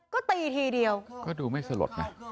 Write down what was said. ก็ตีทีเดียวก็ดูไม่สลดนะ